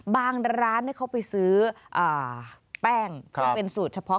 บางร้านเขาไปซื้อแป้งเป็นสูตรเฉพาะ